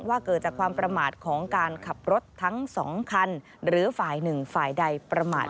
เกิดจากความประมาทของการขับรถทั้ง๒คันหรือฝ่ายหนึ่งฝ่ายใดประมาท